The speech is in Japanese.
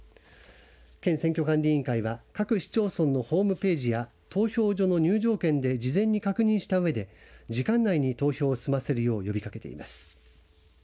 県選挙管理委員会は各市町村のホームページや投票所の入場券で事前に確認したうえで時間内に投票を済ませるよう呼びかけています。